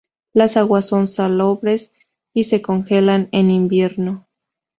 Las aguas son salobres y se congelan en invierno.